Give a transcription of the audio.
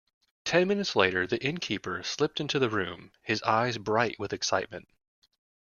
Ten minutes later the innkeeper slipped into the room, his eyes bright with excitement.